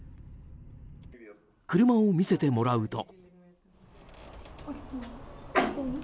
車を見せてもらうと。